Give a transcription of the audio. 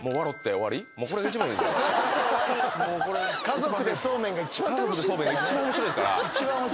家族でそうめんが一番面白いから。